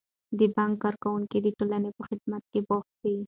د بانک کارکوونکي د ټولنې په خدمت کې بوخت دي.